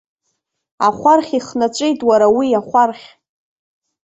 Ахәархь ихнаҵәеит, уара, уи, ахәархь!